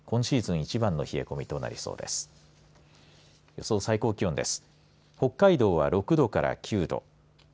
予想最低気温です。